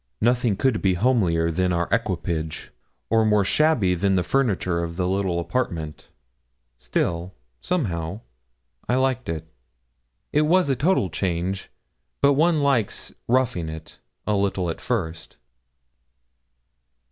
Nothing could be homelier than our equipage, or more shabby than the furniture of the little apartment. Still, somehow, I liked it. It was a total change; but one likes 'roughing it' a little at first.